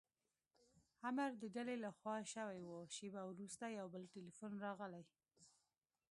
امر د ډلې له خوا شوی و، شېبه وروسته یو بل ټیلیفون راغلی.